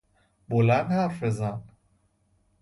بلند حرف بزن